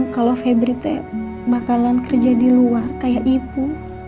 kalau febri teh bakalan kerja di luar kayak ibu